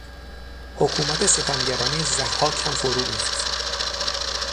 حکومت ستمگرانهی ضحاک هم فرو ریخت.